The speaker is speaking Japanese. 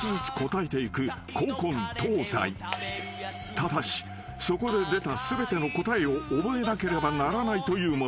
［ただしそこで出た全ての答えを覚えなければならないというもの］